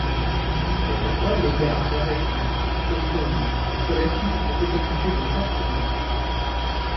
C'est pourquoi les gare d'Avesnes, Étrœungt et Solesmes étaient équipées de plaques tournantes.